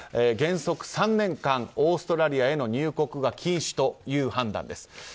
原則３年間、オーストラリアへの入国が禁止という判断です。